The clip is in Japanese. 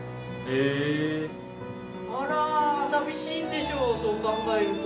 あら寂しいでしょそう考えると。